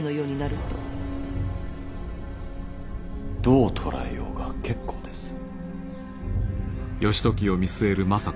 どう捉えようが結構です。